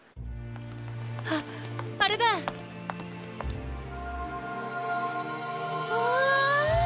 あっあれだ！わあ！